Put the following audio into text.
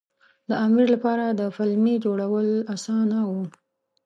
د امیر لپاره د پلمې جوړول اسانه وو.